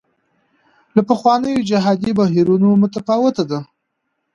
له پخوانیو جهادي بهیرونو متفاوته ده.